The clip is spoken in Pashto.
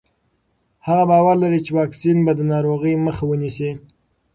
هغې باور لري چې واکسین به د ناروغۍ مخه ونیسي.